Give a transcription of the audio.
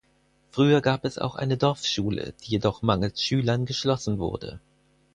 Früher gab es auch eine Dorfschule, die jedoch mangels Schülern geschlossen wurde.